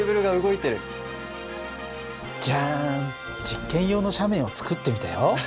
実験用の斜面を作ってみたよ。